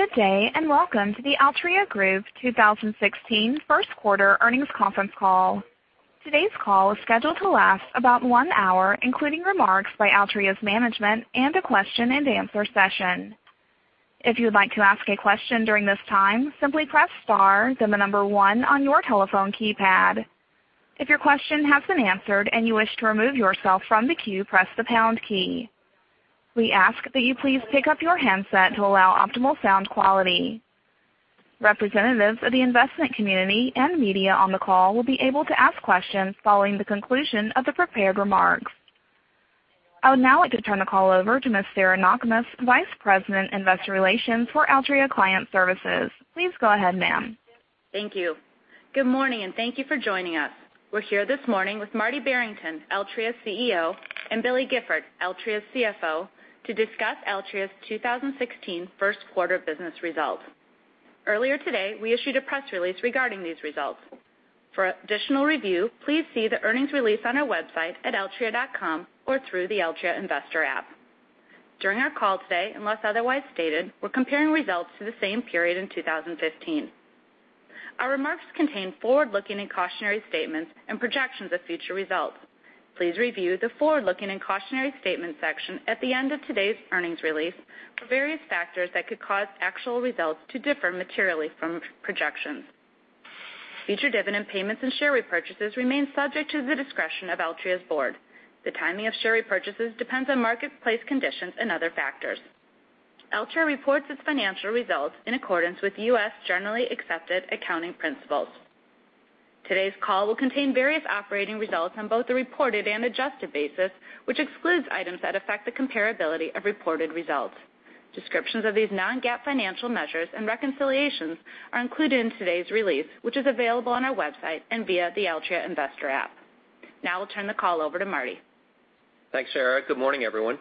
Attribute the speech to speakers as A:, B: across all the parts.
A: Good day, and welcome to the Altria Group 2016 first quarter earnings conference call. Today's call is scheduled to last about one hour, including remarks by Altria's management and a question and answer session. If you'd like to ask a question during this time, simply press star, then the number one on your telephone keypad. If your question has been answered and you wish to remove yourself from the queue, press the pound key. We ask that you please pick up your handset to allow optimal sound quality. Representatives of the investment community and media on the call will be able to ask questions following the conclusion of the prepared remarks. I would now like to turn the call over to Miss Sarah Knakmuhs, Vice President, Investor Relations for Altria Client Services. Please go ahead, ma'am.
B: Thank you. Good morning, and thank you for joining us. We're here this morning with Marty Barrington, Altria's CEO, and Billy Gifford, Altria's CFO, to discuss Altria's 2016 first quarter business results. Earlier today, we issued a press release regarding these results. For additional review, please see the earnings release on our website at altria.com or through the Altria investor app. During our call today, unless otherwise stated, we're comparing results to the same period in 2015. Our remarks contain forward-looking and cautionary statements and projections of future results. Please review the forward-looking and cautionary statements section at the end of today's earnings release for various factors that could cause actual results to differ materially from projections. Future dividend payments and share repurchases remain subject to the discretion of Altria's board. The timing of share repurchases depends on marketplace conditions and other factors. Altria reports its financial results in accordance with U.S. Generally Accepted Accounting Principles. Today's call will contain various operating results on both the reported and adjusted basis, which excludes items that affect the comparability of reported results. Descriptions of these non-GAAP financial measures and reconciliations are included in today's release, which is available on our website and via the Altria investor app. Now I'll turn the call over to Marty.
C: Thanks, Sarah. Good morning, everyone.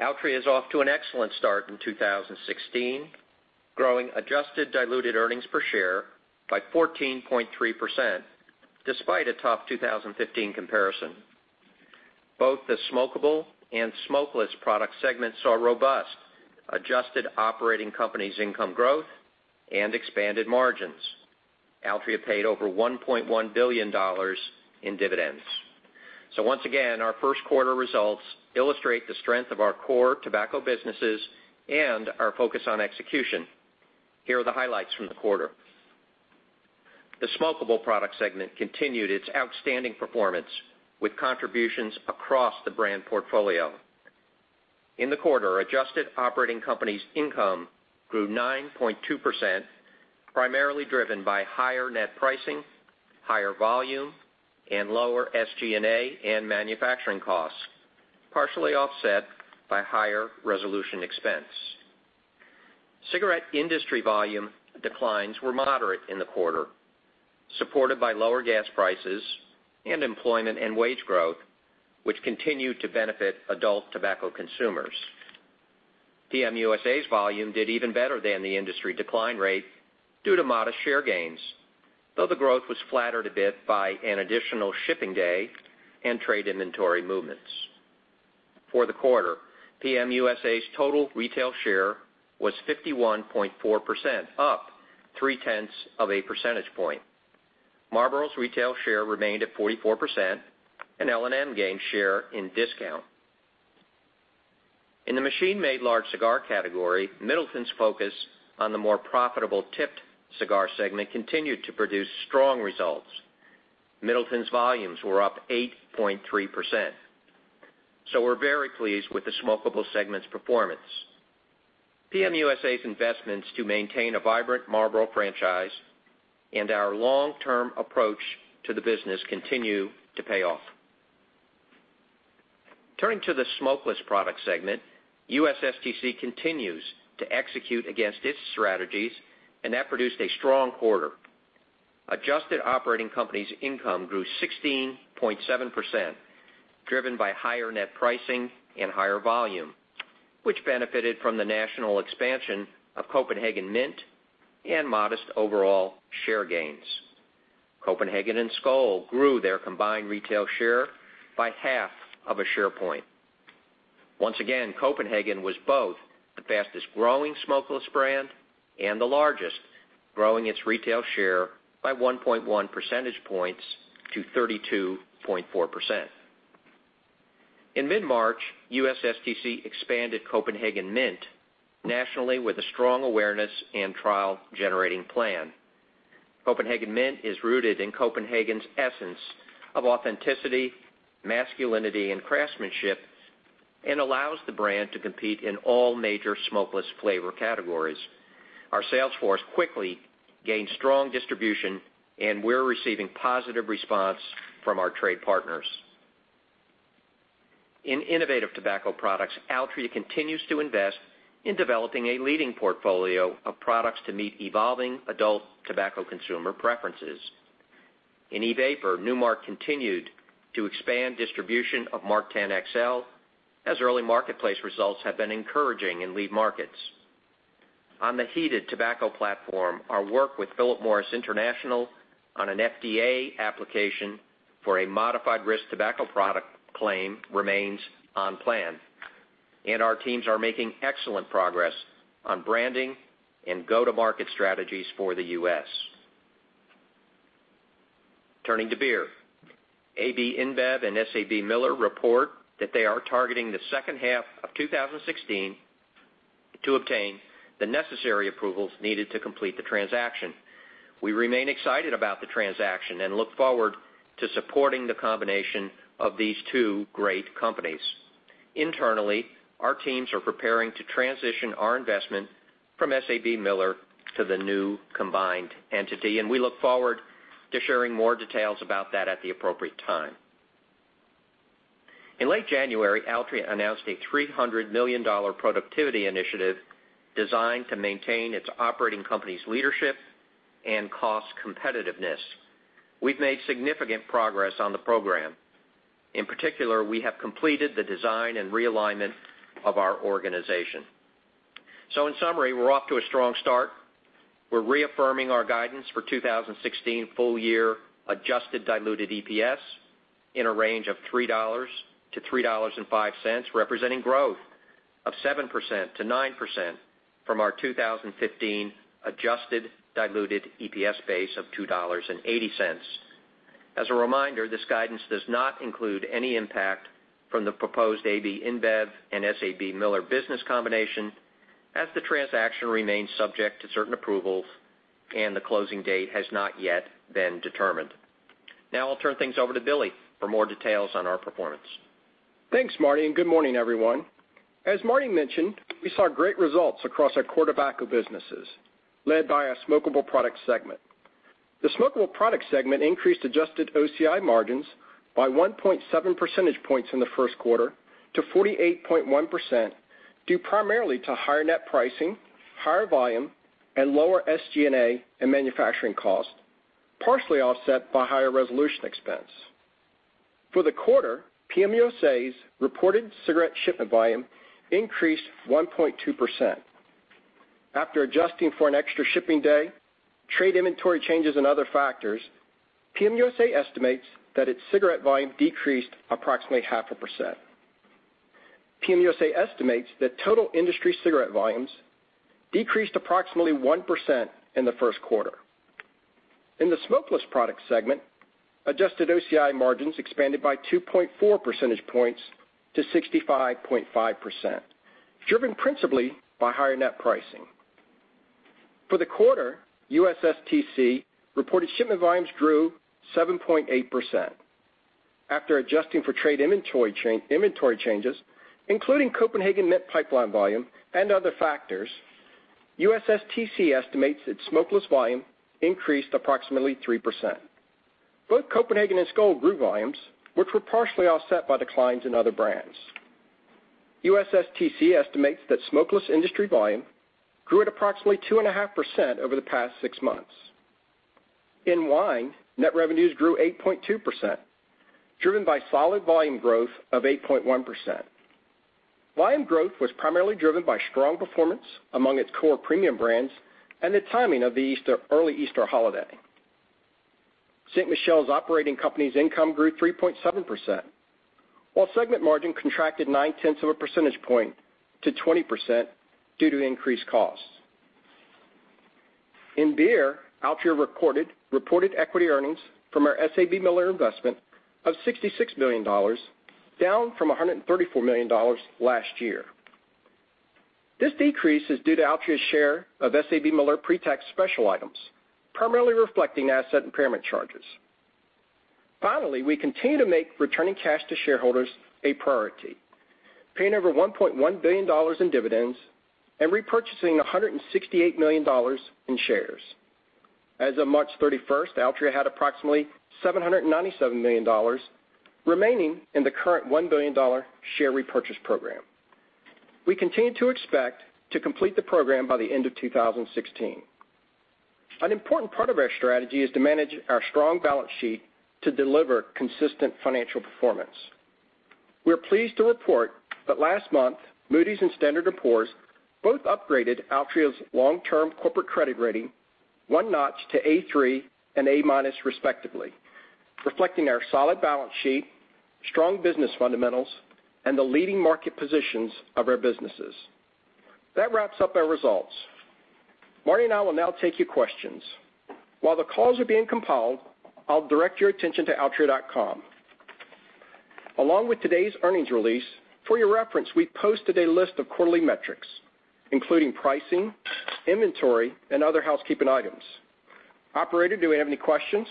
C: Altria is off to an excellent start in 2016, growing adjusted diluted earnings per share by 14.3%, despite a tough 2015 comparison. Both the smokable and smokeless product segments saw robust adjusted operating companies income growth and expanded margins. Altria paid over $1.1 billion in dividends. Once again, our first quarter results illustrate the strength of our core tobacco businesses and our focus on execution. Here are the highlights from the quarter. The smokable product segment continued its outstanding performance with contributions across the brand portfolio. In the quarter, adjusted operating companies income grew 9.2%, primarily driven by higher net pricing, higher volume, and lower SG&A and manufacturing costs, partially offset by higher resolution expense. Cigarette industry volume declines were moderate in the quarter, supported by lower gas prices and employment and wage growth, which continued to benefit adult tobacco consumers. PM USA's volume did even better than the industry decline rate due to modest share gains, though the growth was flattered a bit by an additional shipping day and trade inventory movements. For the quarter, PM USA's total retail share was 51.4%, up three-tenths of a percentage point. Marlboro's retail share remained at 44%, and L&M gained share in discount. In the machine-made large cigar category, Middleton's focus on the more profitable tipped cigar segment continued to produce strong results. Middleton's volumes were up 8.3%. We're very pleased with the smokable segment's performance. PM USA's investments to maintain a vibrant Marlboro franchise and our long-term approach to the business continue to pay off. Turning to the smokeless product segment, USSTC continues to execute against its strategies. That produced a strong quarter. Adjusted operating companies income grew 16.7%, driven by higher net pricing and higher volume, which benefited from the national expansion of Copenhagen Mint and modest overall share gains. Copenhagen and Skoal grew their combined retail share by half of a share point. Once again, Copenhagen was both the fastest-growing smokeless brand and the largest, growing its retail share by 1.1 percentage points to 32.4%. In mid-March, USSTC expanded Copenhagen Mint nationally with a strong awareness and trial-generating plan. Copenhagen Mint is rooted in Copenhagen's essence of authenticity, masculinity, and craftsmanship. Allows the brand to compete in all major smokeless flavor categories. Our sales force quickly gained strong distribution. We're receiving positive response from our trade partners. In innovative tobacco products, Altria continues to invest in developing a leading portfolio of products to meet evolving adult tobacco consumer preferences. In e-vapor, Nu Mark continued to expand distribution of MarkTen XL, as early marketplace results have been encouraging in lead markets. On the heated tobacco platform, our work with Philip Morris International on an FDA application for a modified risk tobacco product claim remains on plan. Our teams are making excellent progress on branding and go-to-market strategies for the U.S. Turning to beer. AB InBev and SABMiller report that they are targeting the second half of 2016 to obtain the necessary approvals needed to complete the transaction. We remain excited about the transaction and look forward to supporting the combination of these two great companies. Internally, our teams are preparing to transition our investment from SABMiller to the new combined entity. We look forward to sharing more details about that at the appropriate time. In late January, Altria announced a $300 million productivity initiative designed to maintain its operating company's leadership and cost competitiveness. We've made significant progress on the program. In particular, we have completed the design and realignment of our organization. In summary, we're off to a strong start. We're reaffirming our guidance for 2016 full year adjusted diluted EPS in a range of $3-$3.05, representing growth of 7%-9% from our 2015 adjusted diluted EPS base of $2.80. As a reminder, this guidance does not include any impact from the proposed AB InBev and SABMiller business combination, as the transaction remains subject to certain approvals and the closing date has not yet been determined. I'll turn things over to Billy for more details on our performance.
D: Thanks, Marty. Good morning, everyone. As Marty mentioned, we saw great results across our core tobacco businesses, led by our Smokable Products segment. The Smokable Products segment increased adjusted OCI margins by 1.7 percentage points in the first quarter to 48.1%, due primarily to higher net pricing, higher volume, and lower SG&A and manufacturing cost, partially offset by higher resolution expense. For the quarter, PM USA's reported cigarette shipment volume increased 1.2%. After adjusting for an extra shipping day, trade inventory changes and other factors, PM USA estimates that its cigarette volume decreased approximately half a percent. PM USA estimates that total industry cigarette volumes decreased approximately 1% in the first quarter. In the Smokeless Products segment, adjusted OCI margins expanded by 2.4 percentage points to 65.5%, driven principally by higher net pricing. For the quarter, USSTC reported shipment volumes grew 7.8%. After adjusting for trade inventory changes, including Copenhagen net pipeline volume and other factors, USSTC estimates its smokeless volume increased approximately 3%. Both Copenhagen and Skoal grew volumes, which were partially offset by declines in other brands. USSTC estimates that smokeless industry volume grew at approximately 2.5% over the past six months. In wine, net revenues grew 8.2%, driven by solid volume growth of 8.1%. Wine growth was primarily driven by strong performance among its core premium brands and the timing of the early Easter holiday. Ste. Michelle's operating company's income grew 3.7%, while segment margin contracted nine tenths of a percentage point to 20% due to increased costs. In beer, Altria reported equity earnings from our SABMiller investment of $66 million, down from $134 million last year. This decrease is due to Altria's share of SABMiller pretax special items, primarily reflecting asset impairment charges. Finally, we continue to make returning cash to shareholders a priority, paying over $1.1 billion in dividends and repurchasing $168 million in shares. As of March 31st, Altria had approximately $797 million remaining in the current $1 billion share repurchase program. We continue to expect to complete the program by the end of 2016. An important part of our strategy is to manage our strong balance sheet to deliver consistent financial performance. We're pleased to report that last month, Moody's and Standard & Poor's both upgraded Altria's long-term corporate credit rating one notch to A3 and A- respectively, reflecting our solid balance sheet, strong business fundamentals, and the leading market positions of our businesses. That wraps up our results. Marty and I will now take your questions. While the calls are being compiled, I'll direct your attention to altria.com. Along with today's earnings release, for your reference, we posted a list of quarterly metrics, including pricing, inventory, and other housekeeping items. Operator, do we have any questions?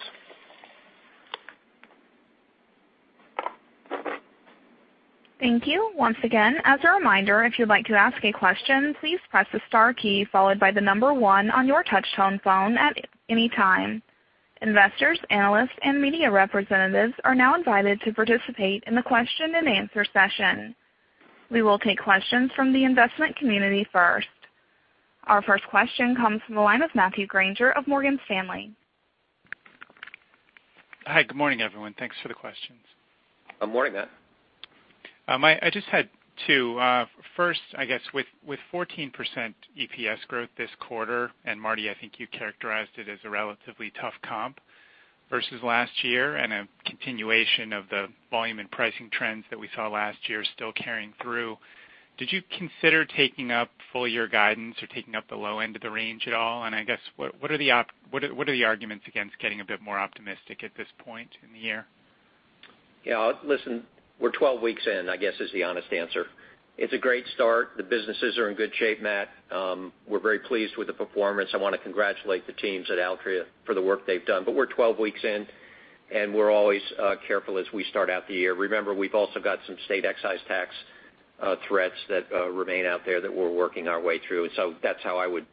A: Thank you. Once again, as a reminder, if you'd like to ask a question, please press the star key followed by the number 1 on your touch-tone phone at any time. Investors, analysts, and media representatives are now invited to participate in the question-and-answer session. We will take questions from the investment community first. Our first question comes from the line of Matthew Grainger of Morgan Stanley.
E: Hi. Good morning, everyone. Thanks for the questions.
C: Good morning, Matt.
E: I just had two. First, I guess with 14% EPS growth this quarter, Marty, I think you characterized it as a relatively tough comp versus last year and a continuation of the volume and pricing trends that we saw last year still carrying through. Did you consider taking up full year guidance or taking up the low end of the range at all? I guess, what are the arguments against getting a bit more optimistic at this point in the year?
C: Yeah. Listen, we're 12 weeks in, I guess, is the honest answer. It's a great start. The businesses are in good shape, Matt. We're very pleased with the performance. I want to congratulate the teams at Altria for the work they've done. We're 12 weeks in, and we're always careful as we start out the year. Remember, we've also got some state excise tax threats that remain out there that we're working our way through. That's how I would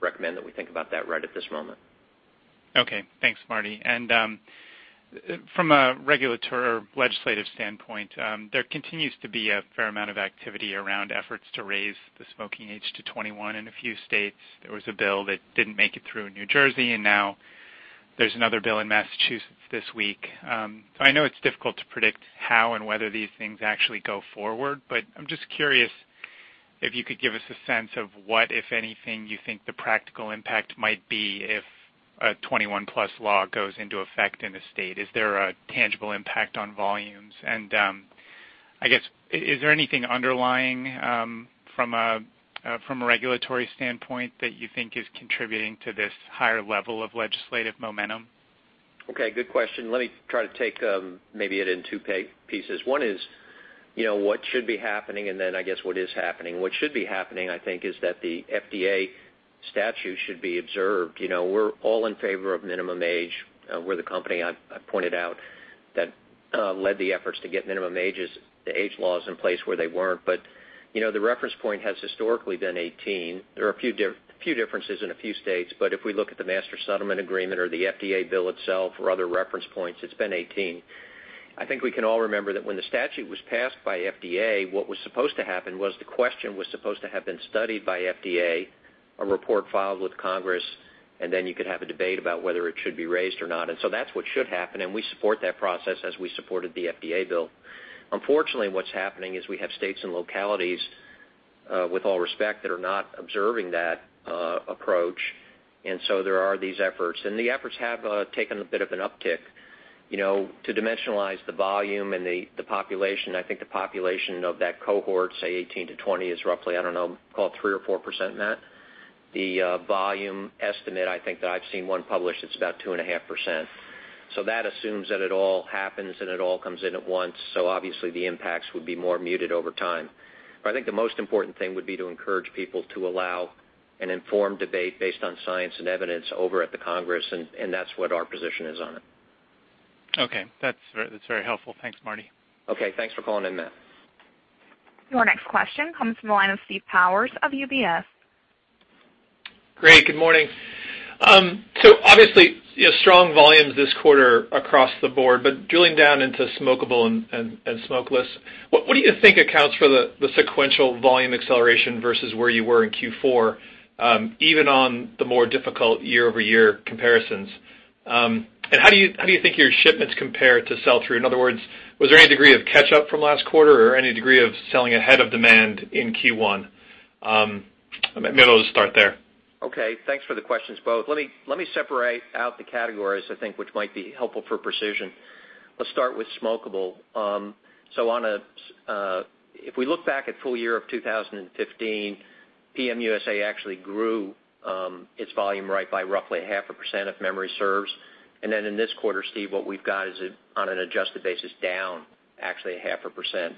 C: recommend that we think about that right at this moment.
E: Okay. Thanks, Marty. From a regulatory or legislative standpoint, there continues to be a fair amount of activity around efforts to raise the smoking age to 21 in a few states. There was a bill that didn't make it through in New Jersey, now there's another bill in Massachusetts this week. I know it's difficult to predict how and whether these things actually go forward, but I'm just curious if you could give us a sense of what, if anything, you think the practical impact might be if a 21 plus law goes into effect in a state. Is there a tangible impact on volumes? I guess, is there anything underlying from a regulatory standpoint that you think is contributing to this higher level of legislative momentum?
C: Okay. Good question. Let me try to take maybe it in two pieces. One is what should be happening, then I guess what is happening. What should be happening, I think, is that the FDA statute should be observed. We're all in favor of minimum age. We're the company, I pointed out, that led the efforts to get minimum ages, the age laws in place where they weren't. The reference point has historically been 18. There are a few differences in a few states, but if we look at the Master Settlement Agreement or the FDA bill itself or other reference points, it's been 18. I think we can all remember that when the statute was passed by FDA, what was supposed to happen was the question was supposed to have been studied by FDA, a report filed with Congress, then you could have a debate about whether it should be raised or not. That's what should happen, we support that process as we supported the FDA bill. Unfortunately, what's happening is we have states and localities, with all respect, that are not observing that approach. There are these efforts, the efforts have taken a bit of an uptick. To dimensionalize the volume and the population, I think the population of that cohort, say 18 to 20, is roughly, I don't know, call it 3% or 4% in that. The volume estimate, I think that I've seen one published, it's about 2.5%. That assumes that it all happens and it all comes in at once. Obviously the impacts would be more muted over time. I think the most important thing would be to encourage people to allow an informed debate based on science and evidence over at the Congress, and that's what our position is on it.
E: Okay. That's very helpful. Thanks, Marty.
C: Okay. Thanks for calling in, Matt.
A: Your next question comes from the line of Steve Powers of UBS.
F: Great. Good morning. Obviously, strong volumes this quarter across the board, drilling down into smokable and smokeless, what do you think accounts for the sequential volume acceleration versus where you were in Q4, even on the more difficult year-over-year comparisons? How do you think your shipments compare to sell-through? In other words, was there any degree of catch-up from last quarter or any degree of selling ahead of demand in Q1? Maybe I'll just start there.
C: Okay. Thanks for the questions, both. Let me separate out the categories, I think, which might be helpful for precision. Let's start with smokable. If we look back at full year of 2015, PM USA actually grew its volume right by roughly half a percent if memory serves. In this quarter, Steve, what we've got is on an adjusted basis down actually a half a percent.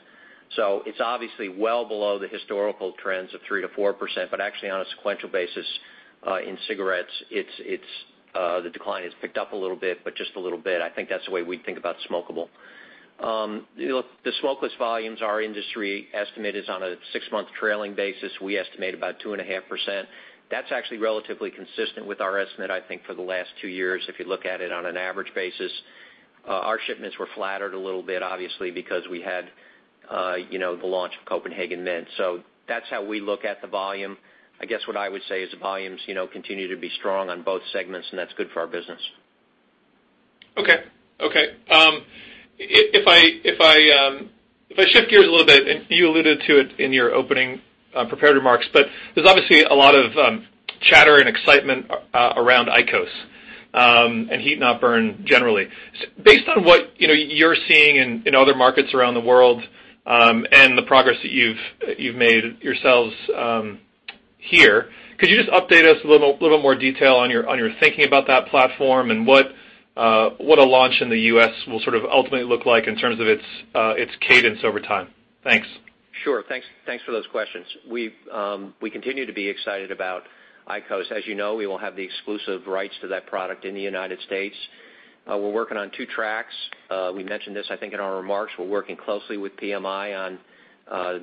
C: It's obviously well below the historical trends of 3%-4%, actually on a sequential basis in cigarettes, the decline has picked up a little bit, just a little bit. I think that's the way we think about smokable. The smokeless volumes, our industry estimate is on a six-month trailing basis. We estimate about 2.5%. That's actually relatively consistent with our estimate, I think, for the last two years. If you look at it on an average basis, our shipments were flattered a little bit, obviously, because we had the launch of Copenhagen Mint. That's how we look at the volume. I guess what I would say is the volumes continue to be strong on both segments, that's good for our business.
F: Okay. If I shift gears a little bit, you alluded to it in your opening prepared remarks, there's obviously a lot of chatter and excitement around IQOS and heat-not-burn generally. Based on what you're seeing in other markets around the world, the progress that you've made yourselves here, could you just update us a little more detail on your thinking about that platform and what a launch in the U.S. will sort of ultimately look like in terms of its cadence over time? Thanks.
C: Sure. Thanks for those questions. We continue to be excited about IQOS. As you know, we will have the exclusive rights to that product in the United States. We're working on two tracks. We mentioned this, I think, in our remarks. We're working closely with PMI on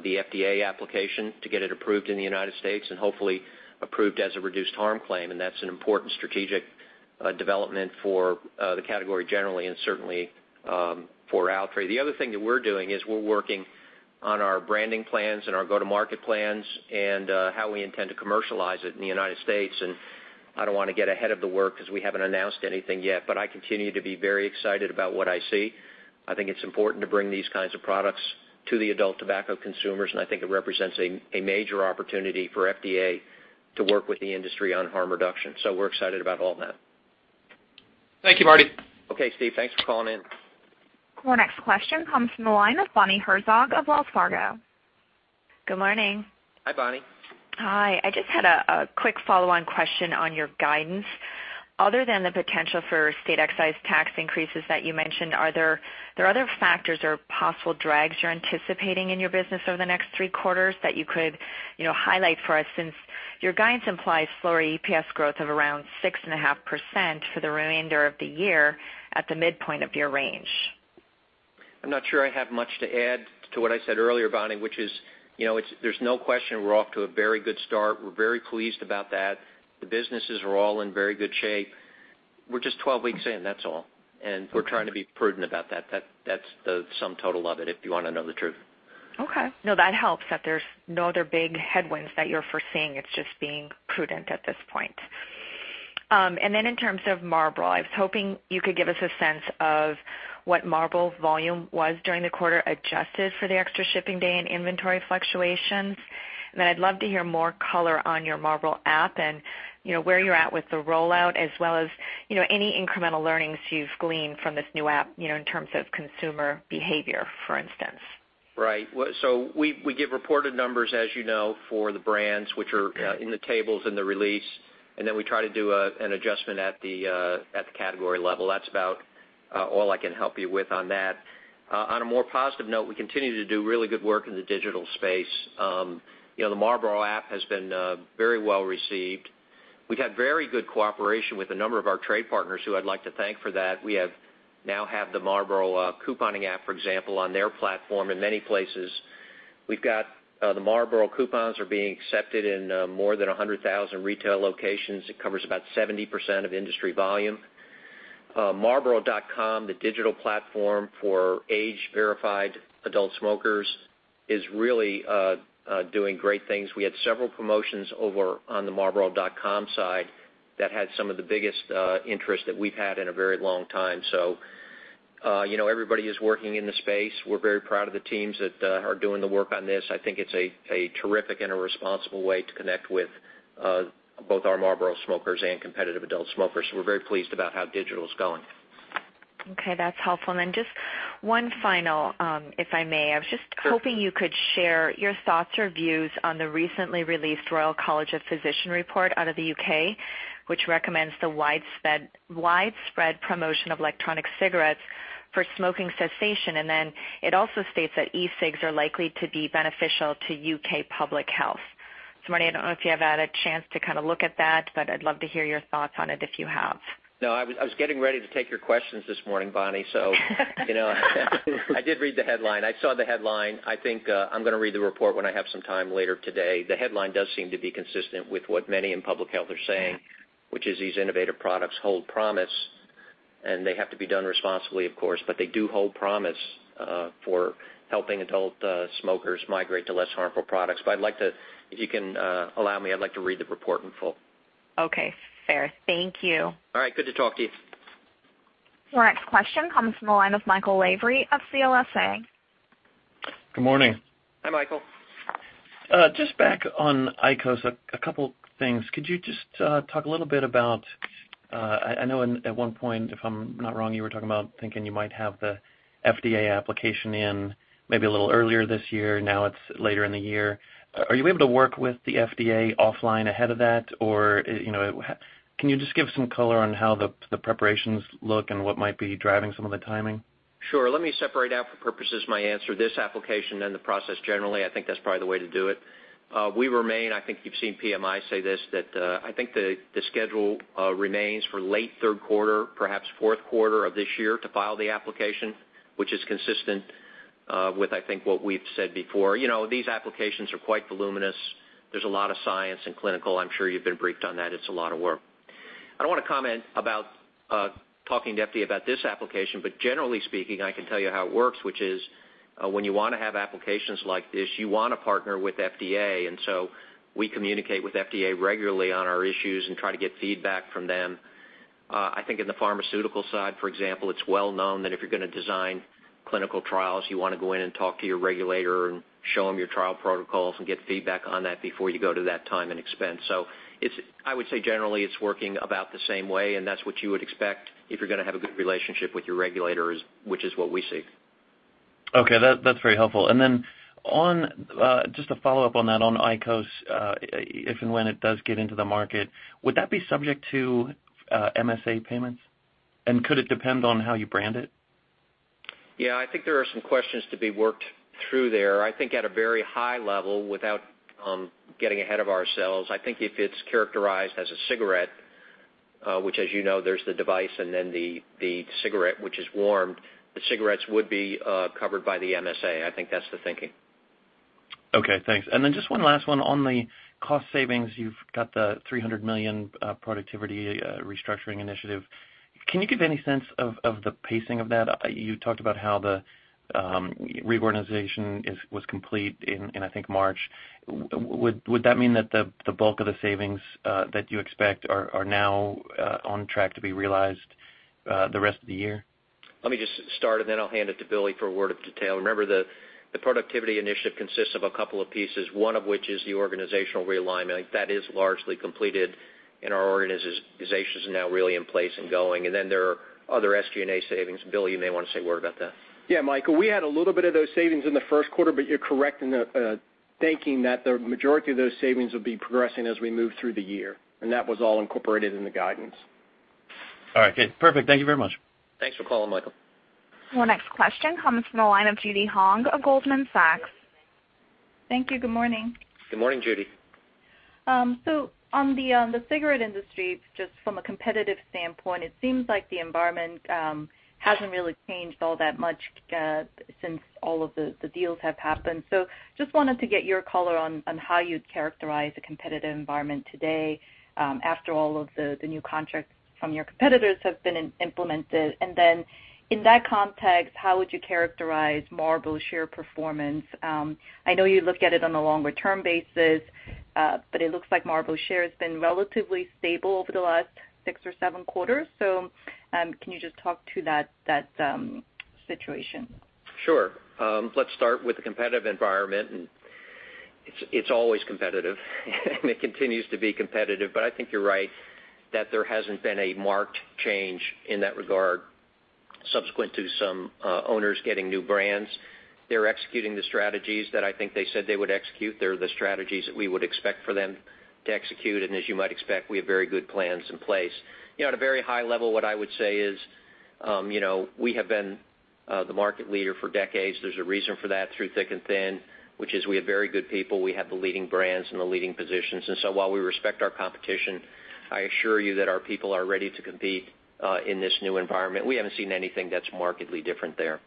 C: the FDA application to get it approved in the United States and hopefully approved as a reduced harm claim. That's an important strategic development for the category generally and certainly for Altria. The other thing that we're doing is we're working on our branding plans and our go-to-market plans and how we intend to commercialize it in the United States. I don't want to get ahead of the work because we haven't announced anything yet, but I continue to be very excited about what I see. I think it's important to bring these kinds of products to the adult tobacco consumers. I think it represents a major opportunity for FDA to work with the industry on harm reduction. We're excited about all that.
F: Thank you, Marty.
C: Okay, Steve. Thanks for calling in.
A: Our next question comes from the line of Bonnie Herzog of Wells Fargo.
G: Good morning.
C: Hi, Bonnie.
G: Hi. I just had a quick follow-on question on your guidance. Other than the potential for state excise tax increases that you mentioned, are there other factors or possible drags you're anticipating in your business over the next three quarters that you could highlight for us, since your guidance implies slower EPS growth of around 6.5% for the remainder of the year at the midpoint of your range?
C: I'm not sure I have much to add to what I said earlier, Bonnie, which is there's no question we're off to a very good start. We're very pleased about that. The businesses are all in very good shape. We're just 12 weeks in, that's all. We're trying to be prudent about that. That's the sum total of it, if you want to know the truth.
G: Okay. No, that helps that there's no other big headwinds that you're foreseeing. It's just being prudent at this point. In terms of Marlboro, I was hoping you could give us a sense of what Marlboro's volume was during the quarter, adjusted for the extra shipping day and inventory fluctuations. I'd love to hear more color on your Marlboro app and where you're at with the rollout, as well as any incremental learnings you've gleaned from this new app in terms of consumer behavior, for instance.
C: Right. We give reported numbers, as you know, for the brands, which are in the tables in the release. We try to do an adjustment at the category level. That's about all I can help you with on that. On a more positive note, we continue to do really good work in the digital space. The Marlboro app has been very well received. We've had very good cooperation with a number of our trade partners who I'd like to thank for that. We now have the Marlboro couponing app, for example, on their platform in many places. We've got the Marlboro coupons are being accepted in more than 100,000 retail locations. It covers about 70% of industry volume. marlboro.com, the digital platform for age-verified adult smokers, is really doing great things. We had several promotions over on the marlboro.com side that had some of the biggest interest that we've had in a very long time. Everybody is working in the space. We're very proud of the teams that are doing the work on this. I think it's a terrific and a responsible way to connect with both our Marlboro smokers and competitive adult smokers. We're very pleased about how digital's going.
G: Okay, that's helpful. Just one final, if I may. I was just hoping you could share your thoughts or views on the recently released Royal College of Physicians report out of the U.K., which recommends the widespread promotion of electronic cigarettes for smoking cessation. It also states that e-cigs are likely to be beneficial to U.K. public health. Marty, I don't know if you have had a chance to look at that, but I'd love to hear your thoughts on it if you have.
C: No, I was getting ready to take your questions this morning, Bonnie. I did read the headline. I saw the headline. I think I'm going to read the report when I have some time later today. The headline does seem to be consistent with what many in public health are saying, which is these innovative products hold promise, and they have to be done responsibly, of course, but they do hold promise for helping adult smokers migrate to less harmful products. If you can allow me, I'd like to read the report in full.
G: Okay, fair. Thank you.
C: All right, good to talk to you.
A: Our next question comes from the line of Michael Lavery of CLSA.
H: Good morning.
C: Hi, Michael.
H: Just back on IQOS, a couple things. Could you just talk a little bit? I know at one point, if I'm not wrong, you were talking about thinking you might have the FDA application in maybe a little earlier this year. Now it's later in the year. Are you able to work with the FDA offline ahead of that? Can you just give some color on how the preparations look and what might be driving some of the timing?
C: Sure. Let me separate out for purposes my answer this application and the process generally. I think that's probably the way to do it. We remain, I think you've seen PMI say this, that I think the schedule remains for late third quarter, perhaps fourth quarter of this year to file the application, which is consistent with, I think, what we've said before. These applications are quite voluminous. There's a lot of science and clinical. I'm sure you've been briefed on that. It's a lot of work. I don't want to comment about talking to FDA about this application, but generally speaking, I can tell you how it works, which is when you want to have applications like this, you want to partner with FDA, we communicate with FDA regularly on our issues and try to get feedback from them. I think in the pharmaceutical side, for example, it's well known that if you're going to design clinical trials, you want to go in and talk to your regulator and show them your trial protocols and get feedback on that before you go to that time and expense. I would say generally it's working about the same way and that's what you would expect if you're going to have a good relationship with your regulators, which is what we see.
H: Okay. That's very helpful. Just a follow-up on that on IQOS, if and when it does get into the market, would that be subject to MSA payments? Could it depend on how you brand it?
C: Yeah, I think there are some questions to be worked through there. I think at a very high level without getting ahead of ourselves, I think if it's characterized as a cigarette, which as you know, there's the device and then the cigarette which is warmed, the cigarettes would be covered by the MSA. I think that's the thinking.
H: Okay, thanks. Just one last one on the cost savings. You have the $300 million Productivity Restructuring Initiative. Can you give any sense of the pacing of that? You talked about how the reorganization was complete in, I think, March. Would that mean that the bulk of the savings that you expect are now on track to be realized the rest of the year?
C: Let me just start, and then I'll hand it to Billy for a word of detail. Remember, the Productivity Initiative consists of a couple of pieces, one of which is the organizational realignment. I think that is largely completed, and our organization is now really in place and going. There are other SG&A savings. Billy, you may want to say a word about that.
D: Yeah, Michael, we had a little bit of those savings in the first quarter, but you're correct in thinking that the majority of those savings will be progressing as we move through the year. That was all incorporated in the guidance.
H: All right, good. Perfect. Thank you very much.
C: Thanks for calling, Michael.
A: Our next question comes from the line of Judy Hong of Goldman Sachs.
I: Thank you. Good morning.
C: Good morning, Judy.
I: On the cigarette industry, just from a competitive standpoint, it seems like the environment hasn't really changed all that much since all of the deals have happened. Just wanted to get your color on how you'd characterize the competitive environment today after all of the new contracts from your competitors have been implemented. In that context, how would you characterize Marlboro share performance? I know you look at it on a longer-term basis, but it looks like Marlboro share has been relatively stable over the last six or seven quarters. Can you just talk to that situation?
C: Sure. Let's start with the competitive environment. It's always competitive and it continues to be competitive. I think you're right that there hasn't been a marked change in that regard subsequent to some owners getting new brands. They're executing the strategies that I think they said they would execute. They're the strategies that we would expect for them to execute. As you might expect, we have very good plans in place. At a very high level, what I would say is we have been the market leader for decades. There's a reason for that through thick and thin, which is we have very good people. We have the leading brands and the leading positions. While we respect our competition, I assure you that our people are ready to compete in this new environment. We haven't seen anything that's markedly different there.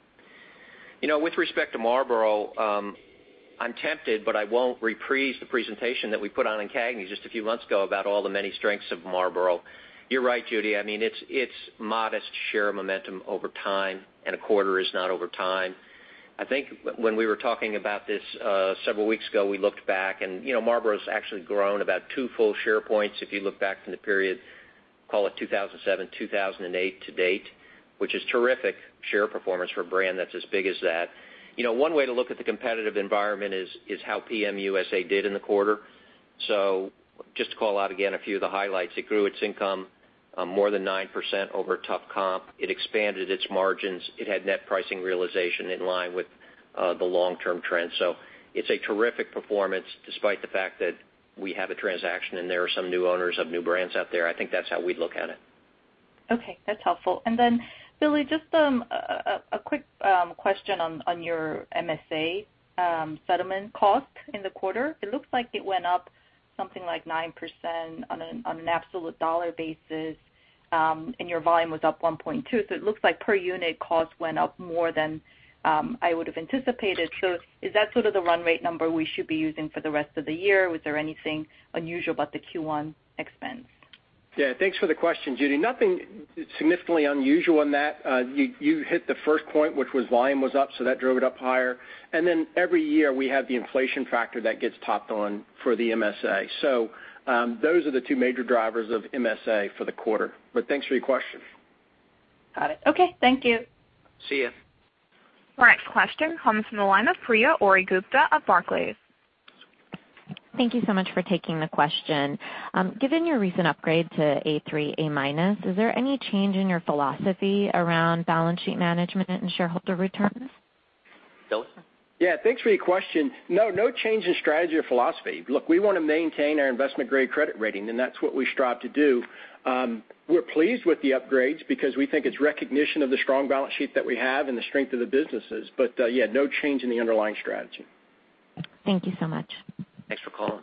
C: With respect to Marlboro, I'm tempted, but I won't reprise the presentation that we put on in CAGNY just a few months ago about all the many strengths of Marlboro. You're right, Judy. It's modest share momentum over time, and a quarter is not over time. I think when we were talking about this several weeks ago, we looked back and Marlboro's actually grown about two full share points, if you look back from the period, call it 2007, 2008 to date, which is terrific share performance for a brand that's as big as that. One way to look at the competitive environment is how PM USA did in the quarter. Just to call out again a few of the highlights. It grew its income more than 9% over a tough comp. It expanded its margins. It had net pricing realization in line with the long-term trend. It's a terrific performance despite the fact that we have a transaction and there are some new owners of new brands out there. I think that's how we'd look at it.
I: Okay. That's helpful. Billy, just a quick question on your MSA settlement cost in the quarter. It looks like it went up something like 9% on an absolute dollar basis, and your volume was up 1.2%. It looks like per unit cost went up more than I would've anticipated. Is that sort of the run rate number we should be using for the rest of the year? Was there anything unusual about the Q1 expense?
D: Thanks for the question, Judy. Nothing significantly unusual in that. You hit the first point, which was volume was up, so that drove it up higher. Every year we have the inflation factor that gets topped on for the MSA. Those are the two major drivers of MSA for the quarter. Thanks for your question.
I: Got it. Okay. Thank you.
C: See you.
A: Our next question comes from the line of Priya Ohri-Gupta of Barclays.
J: Thank you so much for taking the question. Given your recent upgrade to A3, A minus, is there any change in your philosophy around balance sheet management and shareholder returns?
C: Billy?
D: Yeah. Thanks for your question. No change in strategy or philosophy. Look, we want to maintain our investment-grade credit rating, and that's what we strive to do. We're pleased with the upgrades because we think it's recognition of the strong balance sheet that we have and the strength of the businesses. Yeah, no change in the underlying strategy.
J: Thank you so much.
C: Thanks for calling.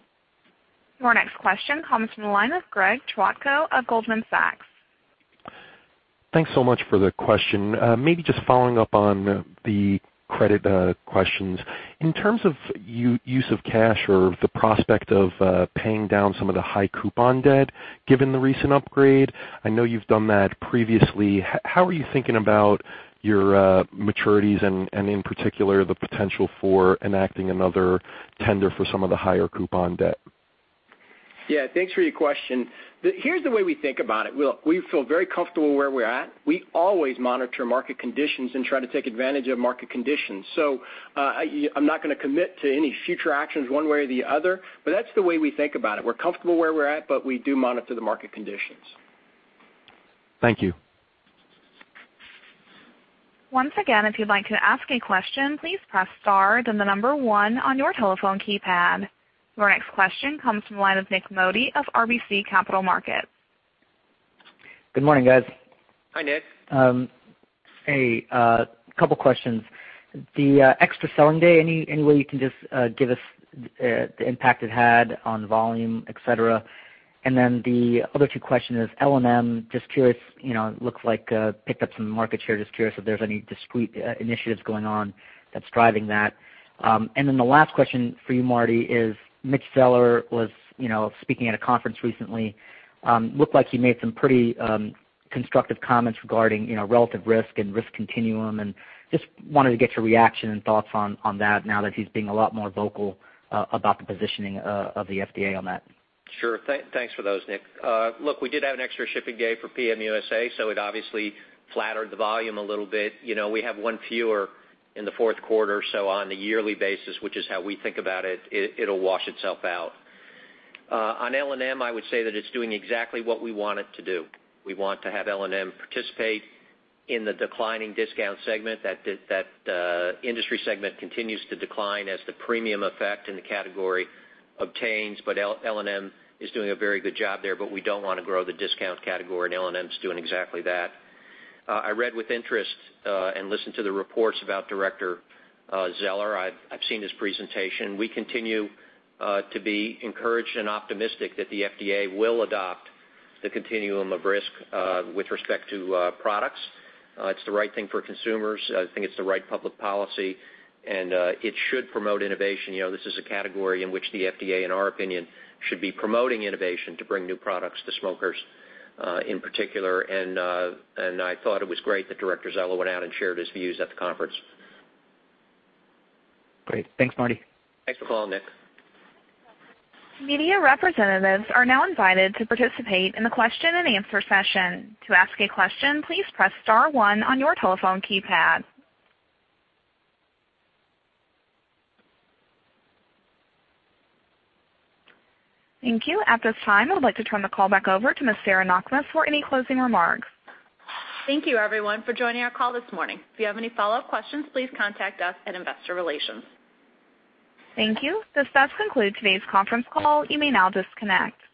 A: Our next question comes from the line of Greg Chwatko of Goldman Sachs.
K: Thanks so much for the question. Just following up on the credit questions. In terms of use of cash or the prospect of paying down some of the high coupon debt, given the recent upgrade, I know you've done that previously. How are you thinking about your maturities and in particular, the potential for enacting another tender for some of the higher coupon debt?
D: Yeah. Thanks for your question. Here's the way we think about it. We feel very comfortable where we're at. We always monitor market conditions and try to take advantage of market conditions. I'm not going to commit to any future actions one way or the other, but that's the way we think about it. We're comfortable where we're at, but we do monitor the market conditions.
K: Thank you.
A: Once again, if you'd like to ask a question, please press star, then the number 1 on your telephone keypad. Your next question comes from the line of Nik Modi of RBC Capital Markets.
L: Good morning, guys.
C: Hi, Nik.
L: A couple questions. The extra selling day, any way you can just give us the impact it had on volume, et cetera? The other two questions is L&M, just curious, looks like picked up some market share. Just curious if there's any discrete initiatives going on that's driving that. The last question for you, Marty, is Mitch Zeller was speaking at a conference recently. Looked like he made some pretty constructive comments regarding relative risk and risk continuum, and just wanted to get your reaction and thoughts on that now that he's being a lot more vocal about the positioning of the FDA on that.
C: Sure. Thanks for those, Nik. Look, we did have an extra shipping day for PM USA, so it obviously flattered the volume a little bit. We have one fewer in the fourth quarter, so on a yearly basis, which is how we think about it'll wash itself out. On L&M, I would say that it's doing exactly what we want it to do. We want to have L&M participate in the declining discount segment. That industry segment continues to decline as the premium effect in the category obtains, but L&M is doing a very good job there, but we don't want to grow the discount category, and L&M's doing exactly that. I read with interest, and listened to the reports about Director Zeller. I've seen his presentation. We continue to be encouraged and optimistic that the FDA will adopt the continuum of risk with respect to products. It's the right thing for consumers. I think it's the right public policy, and it should promote innovation. This is a category in which the FDA, in our opinion, should be promoting innovation to bring new products to smokers in particular. I thought it was great that Director Zeller went out and shared his views at the conference.
L: Great. Thanks, Marty.
C: Thanks for calling, Nik.
A: Media representatives are now invited to participate in the question-and-answer session. To ask a question, please press star one on your telephone keypad. Thank you. At this time, I'd like to turn the call back over to Ms. Sarah Knakmuhs for any closing remarks.
B: Thank you everyone for joining our call this morning. If you have any follow-up questions, please contact us at Investor Relations.
A: Thank you. This does conclude today's conference call. You may now disconnect.